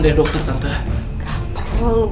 dari dokter tante